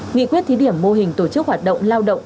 nghị quyết thí điểm mô hình tổ chức hoạt động lao động